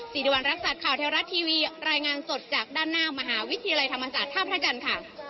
สิริวัณรักษัตริย์ข่าวเทวรัฐทีวีรายงานสดจากด้านหน้ามหาวิทยาลัยธรรมศาสตร์ท่าพระจันทร์ค่ะ